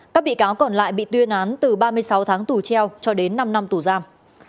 các bị cáo còn lại bị tuyên án từ ba mươi sáu tháng tù treo cho đến năm năm tù giam